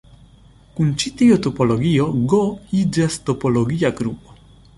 Kun ĉi tiu topologio "G" iĝas topologia grupo.